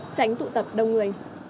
tránh tụ tập đông người